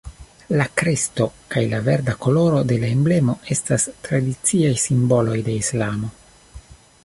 La kresto kaj la verda koloro de la emblemo estas tradiciaj simboloj de Islamo.